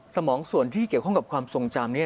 สมองส่วนที่เกี่ยวข้องกับความทรงจำ